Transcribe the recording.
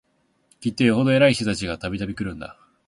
きっとよほど偉い人たちが、度々来るんだ